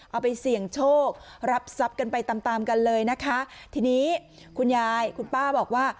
เอาไปเสี่ยงโชครับทรัพย์กันไปตามตามกันเลยนะคะทีนี้คุณยายคุณป้าบอกว่า